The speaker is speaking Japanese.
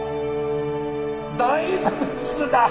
大仏だ！